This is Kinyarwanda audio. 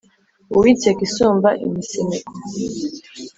uw’inseko isumba imisemeko